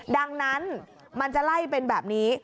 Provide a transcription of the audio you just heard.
ดังนั้นมันจะไล่เป็นแบบนี้